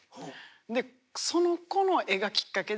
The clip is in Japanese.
でその子の絵がきっかけで。